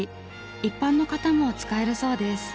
一般の方も使えるそうです。